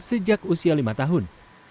sejak usia lima tahun